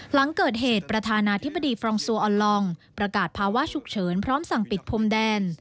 หลังเกิดเหตุประธานาธิบดีฟรองซัวออนลองประกาศภาวะฉุกเฉินพร้อมสั่งปิดพรมแดน